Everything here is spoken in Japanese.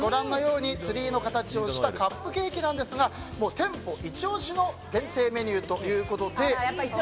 ツリーの形をしたカップケーキなんですが店舗イチ押しの限定メニューということで。